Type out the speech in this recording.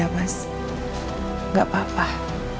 aku pake uang yang kamu kasih